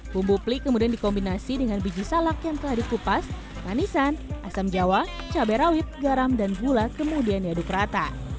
bumbu pelik kemudian dikombinasi dengan biji salak yang telah dikupas manisan asam jawa cabai rawit garam dan gula kemudian diaduk rata